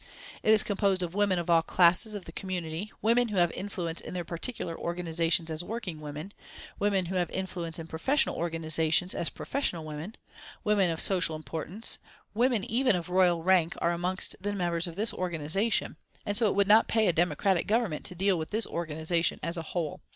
It is composed of women of all classes of the community, women who have influence in their particular organisations as working women; women who have influence in professional organisations as professional women; women of social importance; women even of Royal rank are amongst the members of this organisation, and so it would not pay a democratic Government to deal with this organisation as a whole.